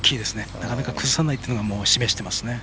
なかなか崩さないというのを示してますね。